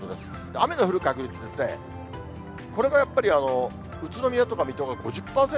雨の降る確率ですね、これがやっぱり宇都宮とか水戸が５０％、